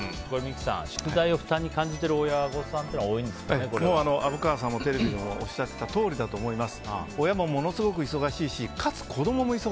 三木さん、宿題を負担に感じている親御さんは虻川さんもテレビでおっしゃっていたとおりだと思います。